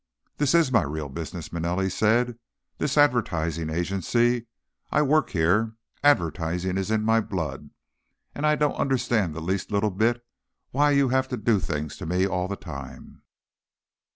"This is my real business," Manelli said. "The advertising agency. I work here. Advertising is in my blood. And I don't understand the least little bit why you have to do things to me all the time."